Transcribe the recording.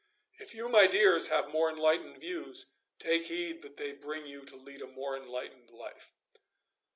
If you, my dears, have more enlightened views, take heed that they bring you to lead a more enlightened life.